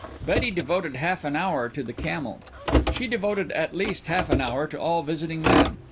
Betty devoted half an hour to the camel. She devoted at least half an hour to all visiting men.